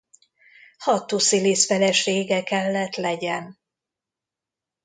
Hattuszilisz felesége kellett legyen.